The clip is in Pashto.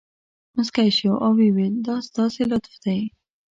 مسکی شو او ویې ویل دا ستاسې لطف دی.